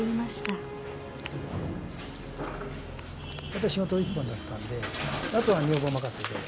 やっぱり仕事一本だったんであとは女房任せで。